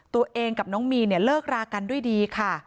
ตัวเองกับน้องมีนเนี่ยเลิกรากันด้วยดีค่ะ